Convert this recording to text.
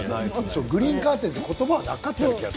グリーンカーテンという言葉はなかったと思う。